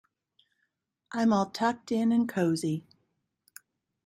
I'm all tucked in and cosy.